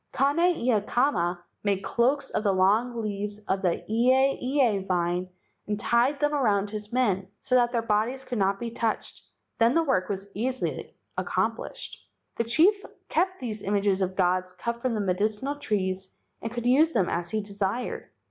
Kane ia kama made cloaks of the long leaves of the ieie vine and tied them around his men, so that their bodies could not be touched, then the work was easily accomplished. The chief kept these images of gods cut from the medicinal trees and could use them as he desired.